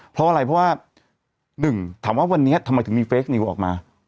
เพราะอะไรเพราะว่าหนึ่งถามว่าวันนี้ทำไมถึงมีเฟคนิวออกมา